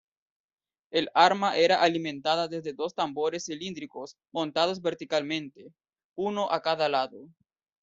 El arma era alimentada desde dos tambores cilíndricos montados verticalmente, uno a cada lado.